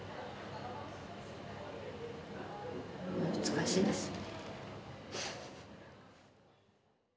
難しいですよね。